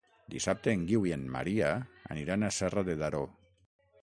Dissabte en Guiu i en Maria aniran a Serra de Daró.